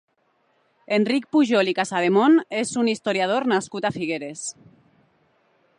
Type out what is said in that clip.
Enric Pujol i Casademont és un historiador nascut a Figueres.